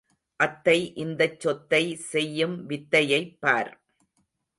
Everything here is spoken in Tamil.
அத்தை இந்தச் சொத்தை செய்யும் வித்தையைப் பார்!